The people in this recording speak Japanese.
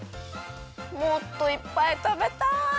もっといっぱいたべたい！